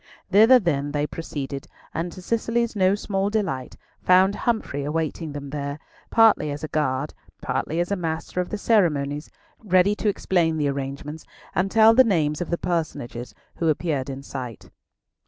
Thither then they proceeded, and to Cicely's no small delight, found Humfrey awaiting them there, partly as a guard, partly as a master of the ceremonies, ready to explain the arrangements, and tell the names of the personages who appeared in sight.